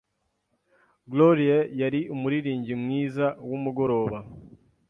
Gloria yari umuririmbyi mwiza wumugoroba.